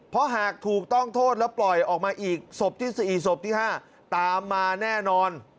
เพราะหากถูกต้องโทษแล้วปล่อยออกมาอีกศพที่๔ศพที่๕ตามมาแน่นอน